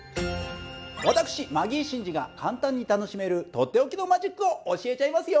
私マギー審司が簡単に楽しめるとっておきのマジックを教えちゃいますよ。